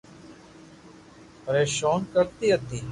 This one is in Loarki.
پرآݾون ڪرتي ھتي